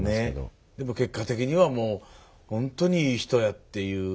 でも結果的にはもうほんとにいい人やっていう。